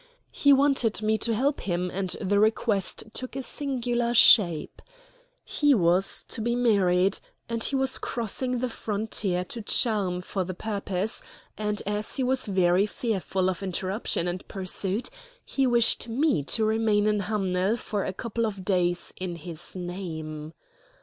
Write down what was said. He wanted me to help him, and the request took a singular shape. He was to be married, and was crossing the frontier to Charmes for the purpose; and as he was very fearful of interruption and pursuit, he wished me to remain in Hamnel for a couple of days in his name.